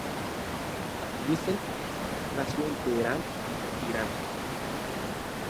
Bissell nació en Teherán, Irán.